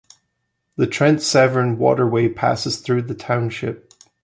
The Trent-Severn Waterway passes through the township.